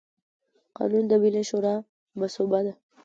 قانون د ملي شورا مصوبه ده.